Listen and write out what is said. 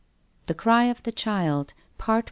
THE CRY OF THE CHILD. PART I.